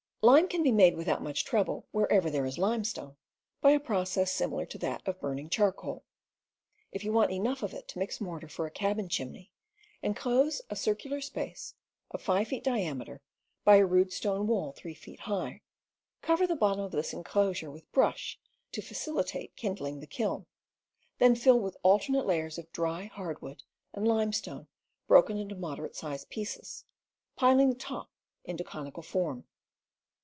Lime can be made, without much trouble, wherever there is limestone, by a process similar to that of burn ing charcoal. If you want enough of it to mix mortar for a cabin chimney, inclose a circular space of 5 feet diameter by a rude stone wall 3 feet high; cover the bottom of this inclos ure with brush to facilitate kindling the kiln; then fill with alternate layers of dry hardwood and limestone broken into moderate sized pieces, pihng the top into conical form.